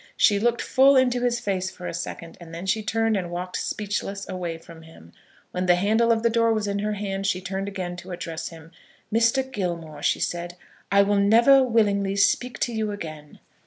She looked full into his face for a second, and then she turned and walked speechless away from him. When the handle of the door was in her hand, she turned again to address him. "Mr. Gilmore," she said, "I will never willingly speak to you again."